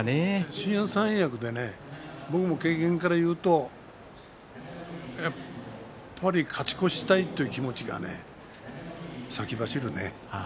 新三役で僕の経験から言うとやっぱり勝ち越したいという気持ちがね、先走るね。